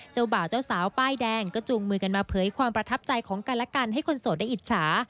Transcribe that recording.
เจ้าบ่าวเจ้าสาวป้ายแดงก็จูงมือกันมาเผยความประทับใจของกันและกันให้คนโสดได้อิจฉา